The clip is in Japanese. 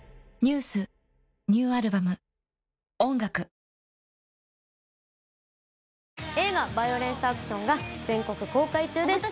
以上映画『バイオレンスアクション』が全国公開中です。